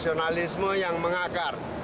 bukan nasionalisme yang mengakar